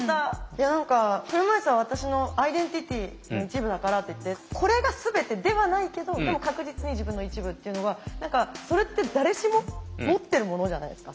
いや車いすは私のアイデンティティーの一部だからって言ってこれが全てではないけどでも確実に自分の一部っていうのがそれって誰しも持ってるものじゃないですか。